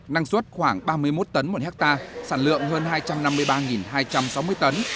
năng suất khoảng ba mươi một tấn một hectare sản lượng hơn hai trăm năm mươi ba hai trăm sáu mươi tấn